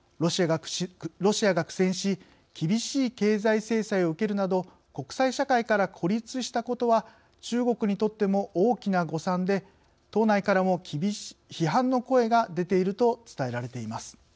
ロシアが苦戦し厳しい経済制裁を受けるなど国際社会から孤立したことは中国にとっても大きな誤算で党内からも、批判の声が出ていると伝えられています。